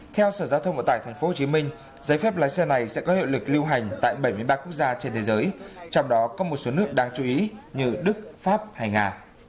theo sở giao thông vận tải tp hcm giấy phép lái xe này sẽ có hiệu lực lưu hành tại bảy mươi ba quốc gia trên thế giới trong đó có một số nước đáng chú ý như đức pháp hay nga